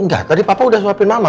enggak tadi papa udah suapin mama